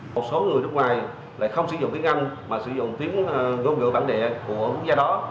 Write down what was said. một số người nước ngoài lại không sử dụng tiếng anh và sử dụng tiếng ngôn ngữ bản địa của quốc gia đó